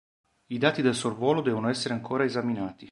I dati del sorvolo devo essere ancora esaminati.